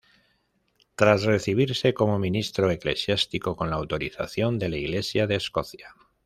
Tras recibirse como ministro eclesiástico con la autorización de la Iglesia de Escocia.